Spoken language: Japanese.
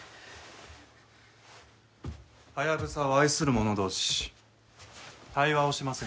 ハヤブサを愛する者同士対話をしませんか？